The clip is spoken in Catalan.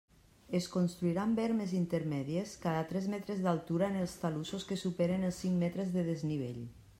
Es construiran bermes intermèdies cada tres metres d'altura en els talussos que superen els cinc metres de desnivell.